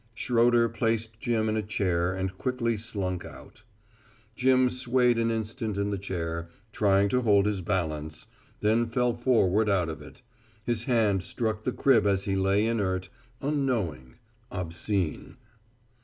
Schroeder placed Jim in a chair and quickly slunk out. Jim swayed an instant in the chair, trying to hold his balance, then fell forward out of it. His hand struck the crib as he lay inert, unknowing, obscene.